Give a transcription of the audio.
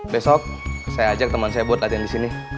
besok saya ajak teman saya buat latihan di sini